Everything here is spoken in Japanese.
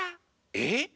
えっ⁉